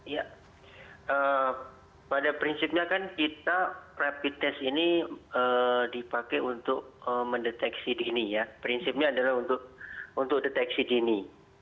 ya pada prinsipnya kan kita rapid test ini dipakai untuk mendeteksi dini ya prinsipnya adalah untuk deteksi dini